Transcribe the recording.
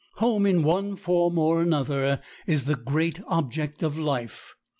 Home in one form or another is the great object of life.